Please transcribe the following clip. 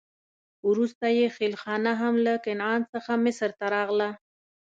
وروسته یې خېلخانه هم له کنعان څخه مصر ته راغله.